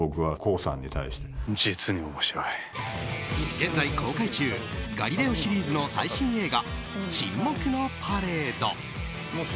現在公開中「ガリレオ」シリーズの最新映画「沈黙のパレード」。